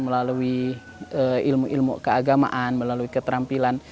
melalui ilmu ilmu keagamaan melalui keterampilan